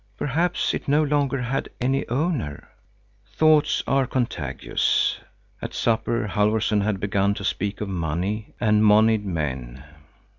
Perhaps it no longer had any owner? Thoughts are contagious.—At supper Halfvorson had begun to speak of money and moneyed men.